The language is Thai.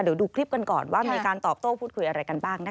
เดี๋ยวดูคลิปกันก่อนว่ามีการตอบโต้พูดคุยอะไรกันบ้างนะคะ